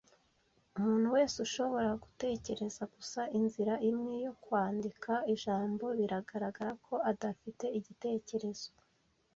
Umuntu wese ushobora gutekereza gusa inzira imwe yo kwandika ijambo biragaragara ko adafite ibitekerezo.